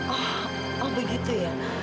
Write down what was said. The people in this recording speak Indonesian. oh oh begitu ya